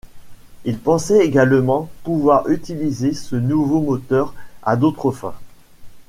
Il pensait également pouvoir utiliser ce nouveau moteur à d'autres fins.